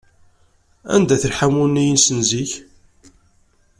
Anda-t lḥamu-nni-ines n zik?